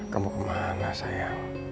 kamu kemana sayang